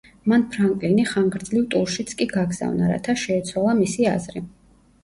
მან ფრანკლინი ხანგრძლივ ტურშიც კი გაგზავნა, რათა შეეცვალა მისი აზრი.